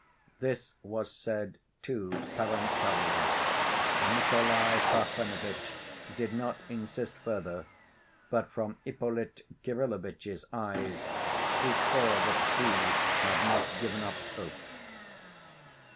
This was said too peremptorily. Nikolay Parfenovitch did not insist further, but from Ippolit Kirillovitch's eyes he saw that he had not given up hope.